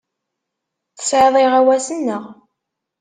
Tesɛiḍ iɣawasen, naɣ?